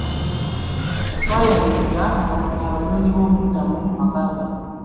Twayaniriza abanyyonyiboobubudamu mu maka gaffe.